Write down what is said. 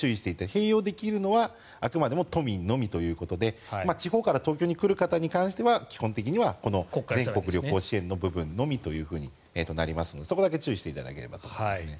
併用できるのはあくまでも都民のみというので地方から東京に来る方に関しては基本的には全国旅行支援の部分のみとなりますのでそこだけ注意していただければと思います。